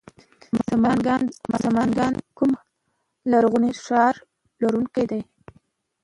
سمنګان د کوم لرغوني ښار لرونکی دی؟